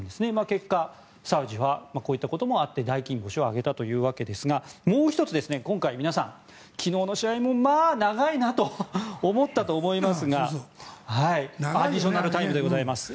結果サウジはこういったこともあって大金星を挙げたということですがもう１つ、今回皆さん、昨日の試合もまあ長いなと思ったと思いますがアディショナルタイムでございます。